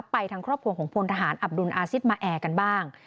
ทางครอบครัวของพลทหารอับดุลอาซิตมาแอร์กันบ้าง